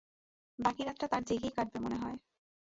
বাকি রাতটা তার জেগেই কাটবে মনে হয়।